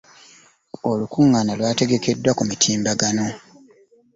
Olukungaana lwategekeddwa ku mutimbagano.